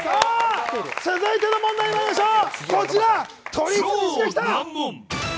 続いての問題まいりましょう！